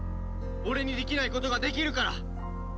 俺にできないことができるから！